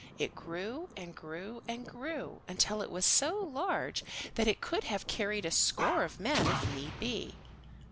It grew and grew and grew, until it was so large that it could have carried a score of men if need be.